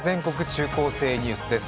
中高生ニュース」です。